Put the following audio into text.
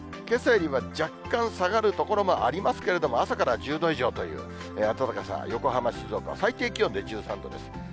けさよりも若干下がる所もありますけれども、朝から１０度以上という暖かさ、横浜、静岡は最低気温で１３度です。